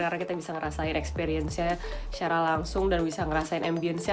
karena kita bisa ngerasain experience nya secara langsung dan bisa ngerasain ambience nya